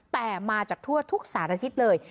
แต่มาจากทั่วทุกสารอาทิตย์เลย